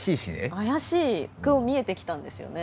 怪しく見えてきたんですよね。